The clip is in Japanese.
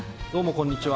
こんにちは。